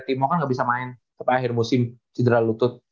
timo kan gak bisa main sampai akhir musim sidra lutut